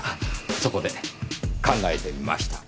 そこで考えてみました。